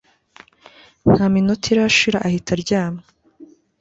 ntaniminota irashira ahita aryama